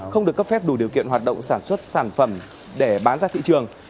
không được cấp phép đủ điều kiện hoạt động sản xuất sản phẩm để bán ra thị trường